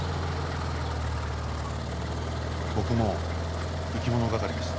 僕も生き物係でした。